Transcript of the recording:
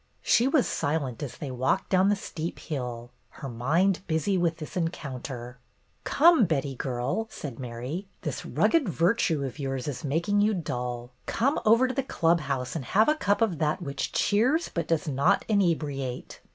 She was silent as they walked down the steep hill, her mind busy with this encounter. "Come, Betty, girl," said Mary, "this 'rugged virtue' of yours is making you dull. Come over to the Club House and have a cup of that which 'cheers but does not inebriate.